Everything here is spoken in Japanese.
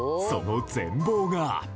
その全貌が。